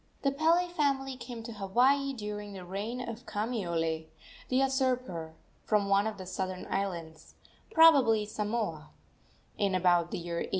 The Pele family came to Hawaii during the reign of Kamiole, the usurper, from one of the southern islands probably Samoa in about the year A.